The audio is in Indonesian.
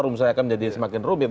rumusnya akan menjadi semakin rumit